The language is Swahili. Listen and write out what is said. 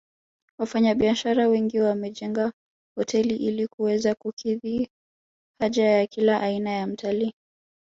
Wafanyabiashara wengi wamejenga hoteli ili kuweza kukidhi haja ya kila aina ya mtalii